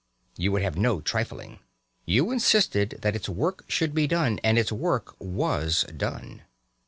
You would have no trifling. You insisted that its work should be done, and its work was done.